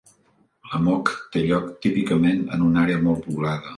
L'amok té lloc típicament en una àrea molt poblada.